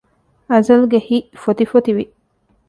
އަޒަލްގެ ހިތް ފޮތިފޮތިވި